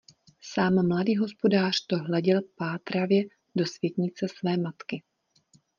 Sám mladý hospodář to hleděl pátravě do světnice své matky.